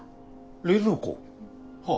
冷蔵庫？はあ。